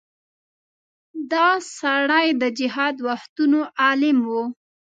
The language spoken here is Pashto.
دا سړی د جهاد د وختونو عالم و.